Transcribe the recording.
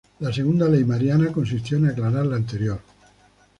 La segunda ley Mariana, consistió en aclarar la anterior.